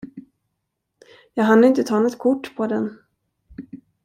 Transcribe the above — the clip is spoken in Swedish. Jag hann inte ta något kort på den.